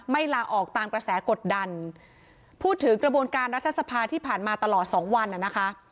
ลาออกตามกระแสกดดันพูดถึงกระบวนการรัฐสภาที่ผ่านมาตลอดสองวันน่ะนะคะ